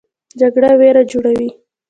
جګړه ویر جوړوي